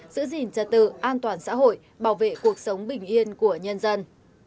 giữ gìn trật tự an toàn xã hội bảo vệ cuộc sống bình yên của nhân dân